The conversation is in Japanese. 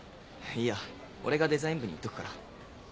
いいや俺がデザイン部に言っとくから。